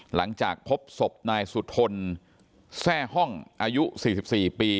หลังจากพบศพนายสุทนแทร่ห้องอายุ๔๔ปี